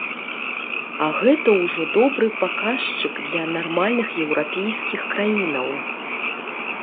А гэта ўжо добры паказчык для нармальных еўрапейскіх краінаў.